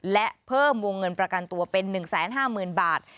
และเพิ่มวงเงินประกันตัวเป็น๑๕๐๐๐บาท